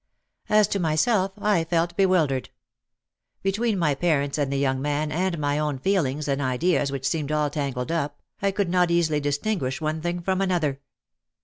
As to myself, I felt bewildered. Between my parents and the young man and my own feelings and ideas which seemed all tangled up, I could not easily distinguish one thing from another.